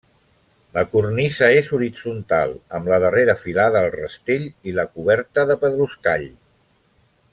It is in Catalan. La cornisa és horitzontal amb la darrera filada al rastell, i la coberta de pedruscall.